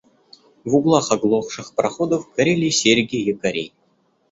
В углах оглохших пароходов горели серьги якорей.